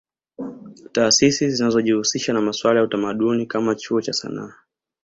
Taasisi zinazojihusisha na masuala ya utamadni kama Chuo cha Sanaa